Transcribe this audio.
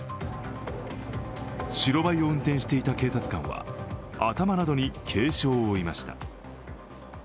白バイを運転していた警察官は頭などに軽症を負いました。